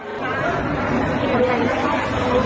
โห